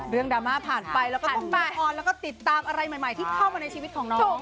ดราม่าผ่านไปแล้วก็ต้องตาออนแล้วก็ติดตามอะไรใหม่ที่เข้ามาในชีวิตของน้อง